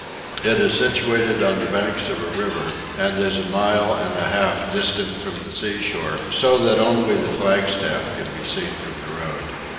It is situated on the banks of a river and is a mile and a half distant from the seashore so that only the flagstaff can be seen from the road.